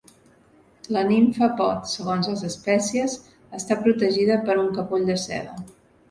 La nimfa pot, segons les espècies, estar protegida per un capoll de seda.